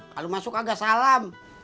kalo masuk agak salam